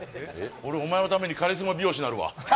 俺、お前のためにカリスマ美容師になるわ。